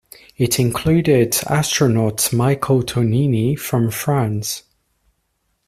It included astronaut Michel Tognini from France.